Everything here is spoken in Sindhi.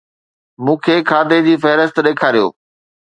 مون کي کاڌي جي فهرست ڏيکاريو